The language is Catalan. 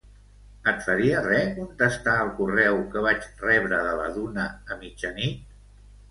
Et faria res contestar el correu que vaig rebre de la Duna a mitjanit?